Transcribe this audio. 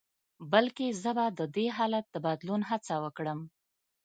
بلکې زه به د دې حالت د بدلون هڅه وکړم.